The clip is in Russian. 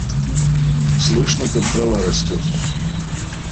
Слышно как трава растет.